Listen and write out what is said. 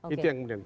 itu yang kemudian